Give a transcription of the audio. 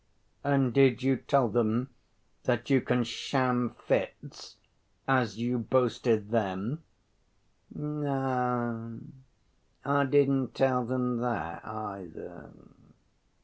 "And did you tell them that you can sham fits, as you boasted then?" "No, I didn't tell them that either."